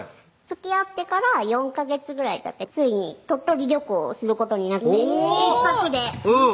つきあってから４ヵ月ぐらいたってついに鳥取旅行をすることになっておぉ！